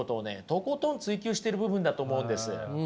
とことん追求してる部分だと思うんです。